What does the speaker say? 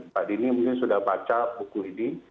pak dini mungkin sudah baca buku ini